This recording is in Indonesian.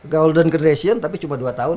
golden generation tapi cuma dua tahun